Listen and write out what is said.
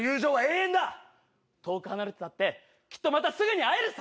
遠く離れてたって、きっとまたすぐに会えるさ。